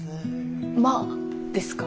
「まっ」ですか？